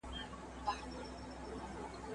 د انټرنیټ نړۍ ډېره پراخه او لویه ده.